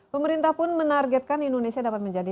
pemerintah pun menargetkan indonesia dapat menjadi